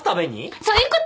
そういうこと！